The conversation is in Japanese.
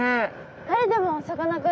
えでもさかなクン。